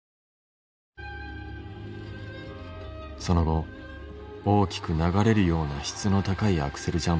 その後大きく流れるような質の高いアクセル